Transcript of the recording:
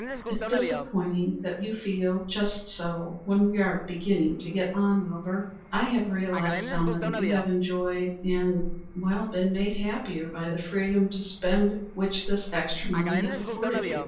"It's disappointing that you feel so just when we are beginning to get on, Wilbur." "I have realized, Selma, that you have enjoyed and er been made happier by the freedom to spend which this extra money has afforded you.